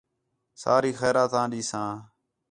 ساری خیرات آں ݙیساں